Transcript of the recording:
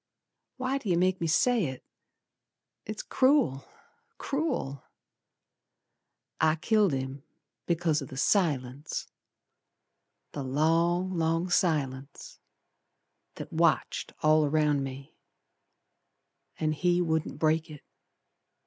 Why do yer make me say it? It's cruel! Cruel! I killed him because o' th' silence. The long, long silence, That watched all around me, And he wouldn't break it.